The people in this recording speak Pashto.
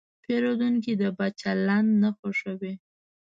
پیرودونکی د بد چلند نه خوښوي.